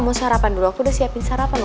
tiap hari juga kejagaan sayang